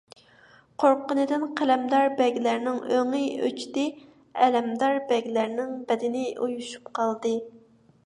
قورققىنىدىن قەلەمدار بەگلەرنىڭ ئۆڭى ئۆچتى، ئەلەمدار بەگلەرنىڭ بەدىنى ئۇيۇشۇپ قالدى.